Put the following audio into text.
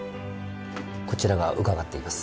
こちらが伺っています。